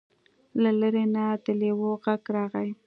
له لرې نه د لیوه غږ راغی.